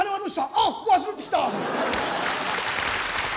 あっ忘れてきた！